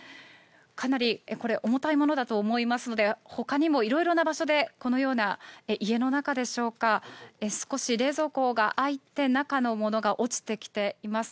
かなりこれ、重たいものだと思いますので、ほかにもいろいろな場所で、このような、家の中でしょうか、少し冷蔵庫が開いて、中のものが落ちてきています。